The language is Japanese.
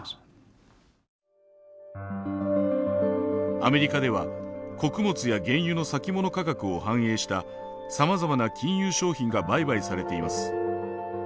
アメリカでは穀物や原油の先物価格を反映したさまざまな金融商品が売買されています。